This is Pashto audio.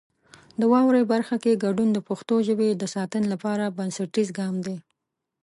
د واورئ برخه کې ګډون د پښتو ژبې د ساتنې لپاره بنسټیز ګام دی.